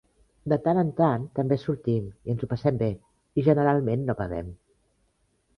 De tant en tant, també sortim i ens ho passem bé i generalment no bevem.